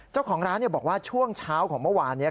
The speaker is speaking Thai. เจ้าของร้านบอกว่าช่วงเช้าของเมื่อวานนี้